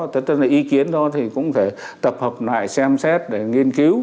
thế tức là ý kiến đó thì cũng phải tập hợp lại xem xét để nghiên cứu